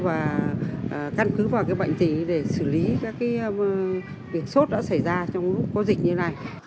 và căn cứ vào bệnh gì để xử lý các việc sốt đã xảy ra trong lúc có dịch như này